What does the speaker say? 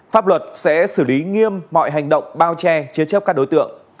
pháp luật sẽ xử lý nghiêm mọi hành động bao che chế chấp các đối tượng